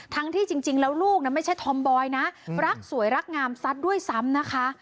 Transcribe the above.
ที่จริงแล้วลูกไม่ใช่ธอมบอยนะรักสวยรักงามซัดด้วยซ้ำนะคะ